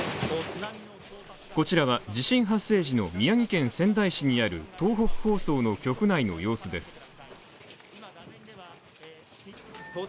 こちらは、地震発生時の宮城県仙台市にある東北放送の局内の様子です。